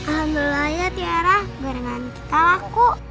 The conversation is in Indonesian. alhamdulillah ya tiara gorengan kita laku